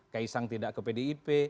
keisang tidak ke pdip